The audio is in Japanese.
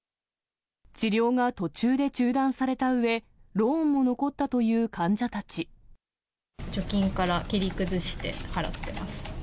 治療が途中で中断されたうえ、貯金から切り崩して払っています。